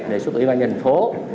đề xuất ủy ban nhân dân tp hcm